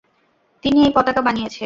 তিনি এই পতাকা বানিয়েছে।